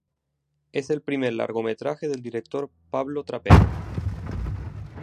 Es el primer largometraje del director Pablo Trapero.